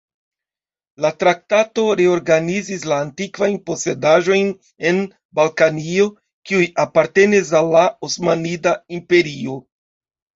La traktato reorganizis la antikvajn posedaĵojn en Balkanio kiuj apartenis al la Osmanida Imperio.